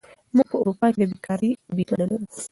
موږ په اروپا کې د بېکارۍ بیمه نه لرو.